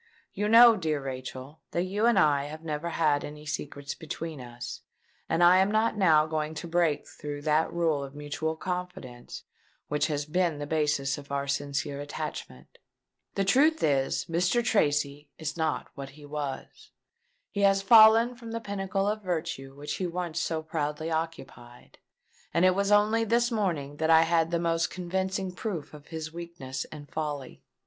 You know, dear Rachel, that you and I have never had any secrets between us; and I am not now going to break through that rule of mutual confidence which has been the basis of our sincere attachment. The truth is, Mr. Tracy is not what he was. He has fallen from the pinnacle of virtue which he once so proudly occupied; and it was only this morning that I had the most convincing proof of his weakness and folly!